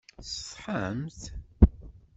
Tsetḥamt?